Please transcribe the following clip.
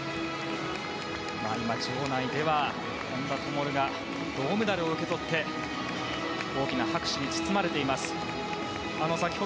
今、場内では本多灯が銅メダルを受け取って大きな拍手に包まれています。